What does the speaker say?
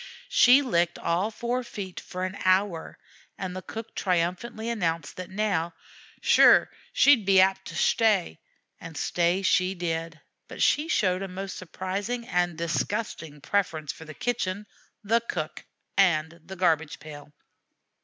She licked all four feet for an hour, and the cook triumphantly announced that now "shure she'd be apt to shtay." And stay she did, but she showed a most surprising and disgusting preference for the kitchen, the cook, and the garbage pail.